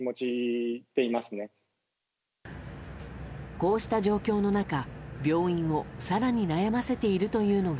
こうした状況の中、病院を更に悩ませているというのが。